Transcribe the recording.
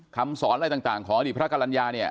คำสอนอะไรต่างของอดีตพระกรรณญาเนี่ย